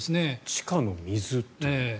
地下の水という。